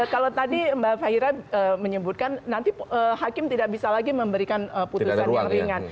kalau tadi mbak fahira menyebutkan nanti hakim tidak bisa lagi memberikan putusan yang ringan